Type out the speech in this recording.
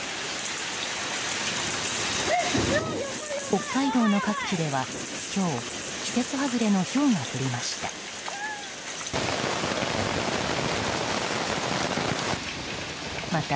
北海道の各地では今日季節外れのひょうが降りました。